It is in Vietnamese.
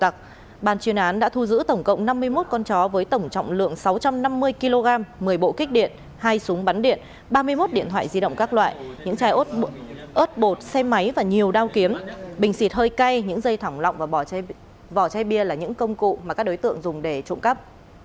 đăng đã thu giữ tổng cộng năm mươi một con chó với tổng trọng lượng sáu trăm năm mươi kg một mươi bộ kích điện hai súng bắn điện ba mươi một điện thoại di động các loại những chai ớt bột xe máy và nhiều đao kiếm bình xịt hơi cay những dây thỏm lặng và vỏ chai bia là những công cụ mà các đối tượng dùng để trộm cắp